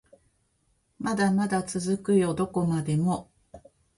まだまだ続くよどこまでも